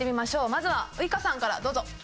まずはウイカさんからどうぞ。